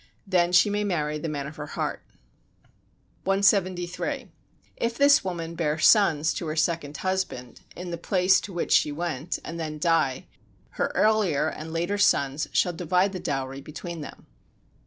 Then she may marry the man of her heart. 173. If this woman bear sons to her second husband, in the place to which she went, and then die, her earlier and later sons shall divide the dowry between them.